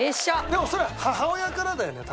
でもそれ母親からだよね？